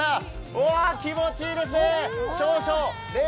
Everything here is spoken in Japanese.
うわ、気持ちいいですね。